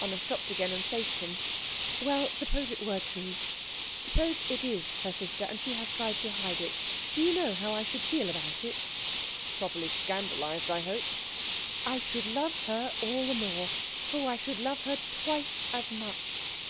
Anna stopped again and faced him. "Well, suppose it were true suppose it is her sister, and she has tried to hide it do you know how I should feel about it?" "Properly scandalised, I hope." "I should love her all the more. Oh, I should love her twice as much!